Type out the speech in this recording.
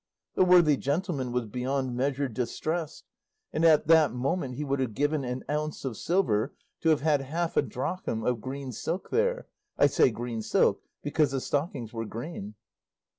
The worthy gentleman was beyond measure distressed, and at that moment he would have given an ounce of silver to have had half a drachm of green silk there; I say green silk, because the stockings were green.